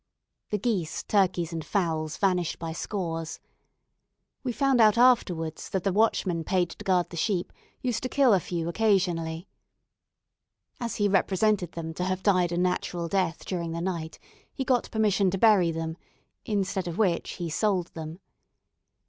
The geese, turkeys, and fowls vanished by scores. We found out afterwards that the watchman paid to guard the sheep, used to kill a few occasionally. As he represented them to have died a natural death during the night, he got permission to bury them, instead of which he sold them.